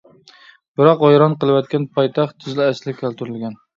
بىراق ۋەيران قىلىۋەتكەن پايتەخت تېزلا ئەسلىگە كەلتۈرۈلگەن.